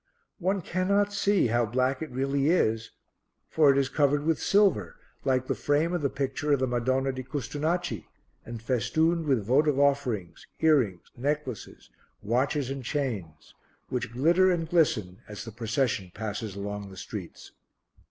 One cannot see how black it really is, for it is covered with silver, like the frame of the picture of the Madonna di Custonaci, and festooned with votive offerings, earrings, necklaces, watches and chains which glitter and glisten as the procession passes along the streets.